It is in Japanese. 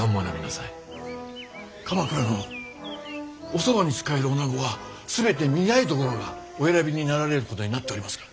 おそばに仕える女子は全て御台所がお選びになられることになっておりますが。